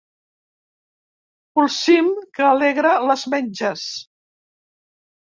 Polsim que alegra les menges.